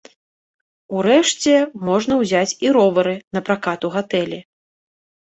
Урэшце, можна ўзяць і ровары напракат у гатэлі.